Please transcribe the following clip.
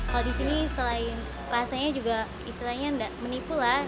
kalau di sini selain rasanya juga istilahnya tidak menipu lah